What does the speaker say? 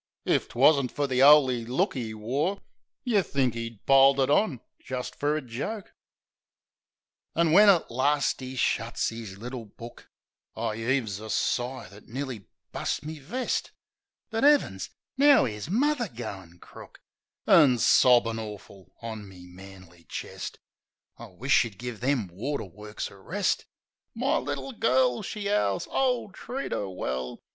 If 'twasn't fer the 'oly look 'e wore Yeh'd think 'e piled it on jist fer a joke. 80 THE SENTIMENTAL BLOKE An', when at last 'e shuts 'is little book, I 'eaves a sigh that nearly bust me vest. But 'Eavens! Now 'ere's muvver goin' crook! An' sobbin' awful on me manly chest! (I wish she'd give them water works a rest.) "My little girl!" she 'owls. "O, treat 'er well!